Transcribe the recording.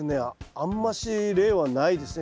あんまし例はないですね。